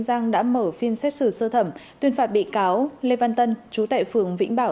giang đã mở phiên xét xử sơ thẩm tuyên phạt bị cáo lê văn tân chú tại phường vĩnh bảo